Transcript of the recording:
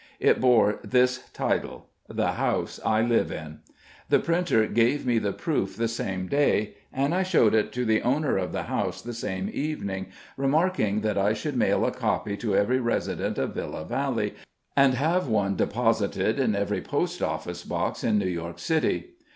It bore this title, "The House I Live In." The printer gave me the proof the same day, and I showed it to the owner of the house the same evening, remarking that I should mail a copy to every resident of Villa Valley, and have one deposited in every Post Office box in New York City.